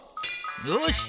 よし！